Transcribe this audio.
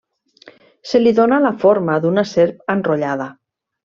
Se li dóna la forma d'una serp enrotllada.